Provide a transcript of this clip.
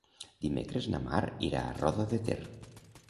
Dimecres na Mar irà a Roda de Ter.